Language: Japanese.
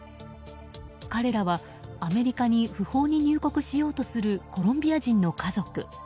彼らはアメリカに不法に入国しようとするコロンビア人の家族。